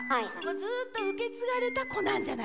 ずっと受け継がれた子なんじゃないの？